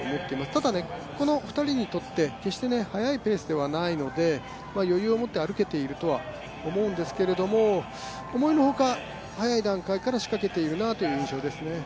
ただ、この２人にとって、決して速いペースではないので余裕を持って歩けているとは思うんですけれども思いのほか、早い段階から仕掛けているなという印象ですね。